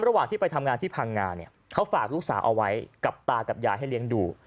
ระหว่างที่ไปทำงานที่พังงาเนี่ยเขาฝากลูกสาวเอาไว้กับตากับยายให้เลี้ยงดู